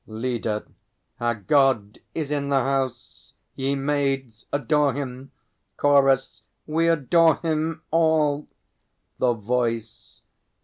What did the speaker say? LEADER. Our God is in the house! Ye maids adore Him! CHORUS. We adore Him all! THE VOICE.